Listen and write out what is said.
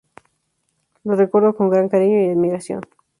Lo recuerdo con gran cariño y admiración.